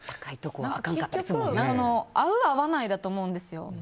結局、合う合わないだと思うんですよ。